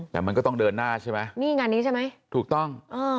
แต่มันก็ต้องเดินหน้าใช่ไหมนี่งานนี้ใช่ไหมถูกต้อง